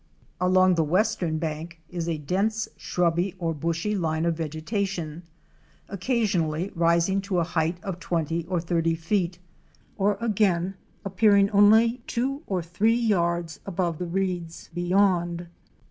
Along the western bank is a dense shrubby or bushy line of vegetation; occasionally rising to a height of twenty or thirty feet or again appearing only two or three yards above the reeds beyond.